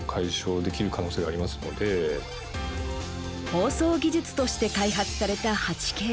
放送技術として開発された８Ｋ。